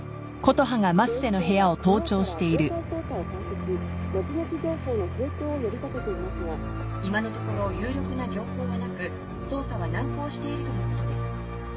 警視庁は昨日から目撃情報の提供を呼び掛けていますが今のところ有力な情報はなく捜査は難航しているとのことです。